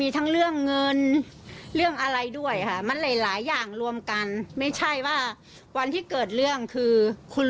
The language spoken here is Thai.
ถ้าเป็นผมผมไม่ยอมแล้ว